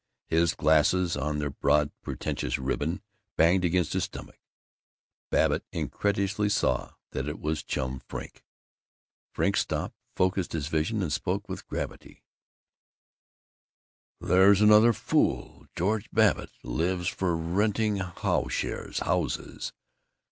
His glasses on their broad pretentious ribbon banged against his stomach. Babbitt incredulously saw that it was Chum Frink. Frink stopped, focused his vision, and spoke with gravity: "There's another fool. George Babbitt. Lives for renting howshes houses.